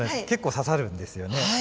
結構刺さるんですよね。